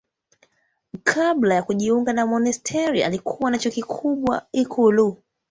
Kabla ya kujiunga na monasteri alikuwa na cheo kikubwa ikulu.